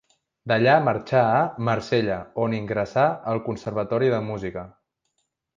D'allà marxà a Marsella, on ingressà al Conservatori de Música.